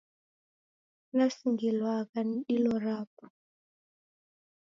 Nasingilwagha ni dilo rapo.